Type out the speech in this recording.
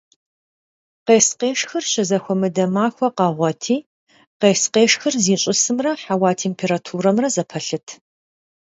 Къес-къешхыр щызэхуэмыдэ махуэ къэгъуэти къес-къешхыр зищӀысымрэ хьэуа температурэмрэ зэпэлъыт.